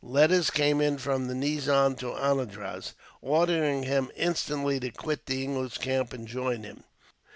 Letters came in, from the nizam to Anandraz, ordering him instantly to quit the English camp, and join him.